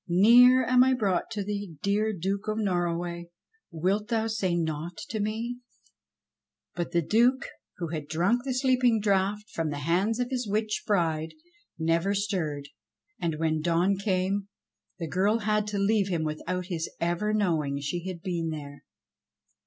Near am I brought to thee. Dear Duke o' Norroway, Wilt thou say naught to me .?" THE BLACK BULL OF NORROWAY 163 But the Duke, who had drunk the sleeping draught from the hands of his witch bride, never stirred, and when dawn came the girl had to leave him without his ever knowing she had been there.